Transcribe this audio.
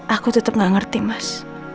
aku tetap gak ngerti mas